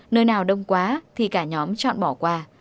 nơi nào đông quá thì cả nhóm chọn bỏ qua